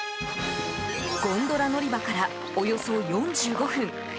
ゴンドラ乗り場からおよそ４５分。